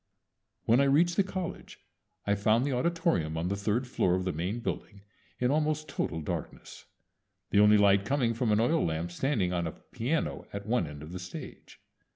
When I reached the college I found the auditorium on the third floor of the main building in almost total darkness, the only light coming from an oil lamp standing on a piano at one end of the stage.